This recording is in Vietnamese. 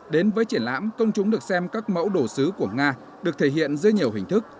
đến với triển lãm công chúng được xem các mẫu đồ sứ của nga được thể hiện dưới nhiều hình thức